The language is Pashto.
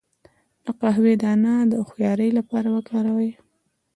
د قهوې دانه د هوښیارۍ لپاره وکاروئ